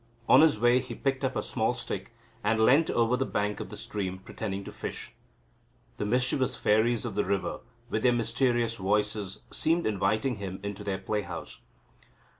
On his way he picked up a small stick, and leant over the bank of the stream pretending to fish. The mischievous fairies of the river with their mysterious voices seemed inviting him into their play house.